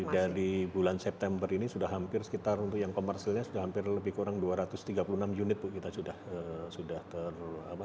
dari bulan september ini sudah hampir sekitar untuk yang komersilnya sudah hampir lebih kurang dua ratus tiga puluh enam unit bu kita sudah ter